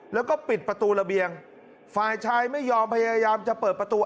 แล้วก็ปิดประตูระเบียงฝ่ายชายไม่ยอมพยายามจะเปิดประตู